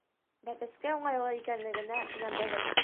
Бәпескә уңайлы икәнлегенә инанығыҙ.